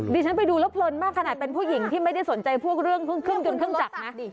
ดิฉันไปดูแล้วพลนมากขนาดเป็นผู้หญิงที่ไม่ได้สนใจพวกเรื่องขึ้นขึ้นจนขึ้นจักรนะ